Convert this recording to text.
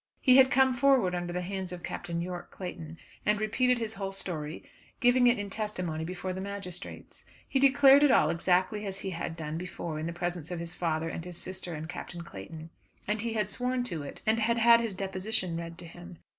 He had come forward under the hands of Captain Yorke Clayton and repeated his whole story, giving it in testimony before the magistrates. He declared it all exactly as he had done before in the presence of his father and his sister and Captain Clayton. And he had sworn to it, and had had his deposition read to him.